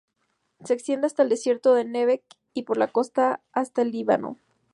Se extiende hasta el desierto de Negev y por la costa hasta el Líbano.